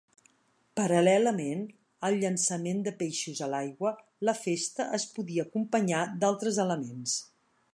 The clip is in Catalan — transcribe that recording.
Paral·lelament al llançament de peixos a l'aigua, la festa es podia acompanyar d'altres elements.